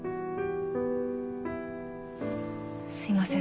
すいません。